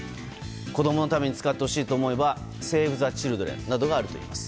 子供のために使ってほしいと思えばセーブ・ザ・チルドレンなどがあります。